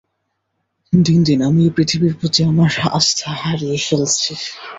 দিন দিন আমি এই পৃথিবীর প্রতি আমার আস্থা হারিয়ে ফেলছি।